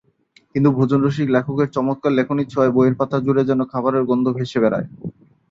কিন্তু ভোজন-রসিক লেখকের চমৎকার লেখনীর ছোঁয়ায় বইয়ের পাতা জুড়ে যেন খাবারের গন্ধ ভেসে বেড়ায়।